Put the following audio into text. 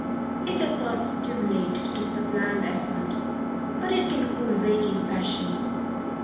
It does not stimulate to sublime effort; but it can cool raging passion.